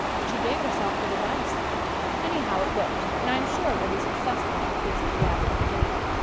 She gave herself good advice. Anyhow it worked and I am sure it will be successful in the case of the average beginner.